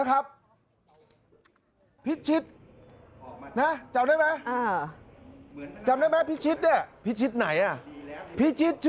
คุณเสร้าหรือไหมสัญลัย